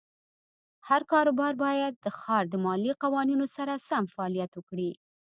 هر کاروبار باید د ښار د مالیې قوانینو سره سم فعالیت وکړي.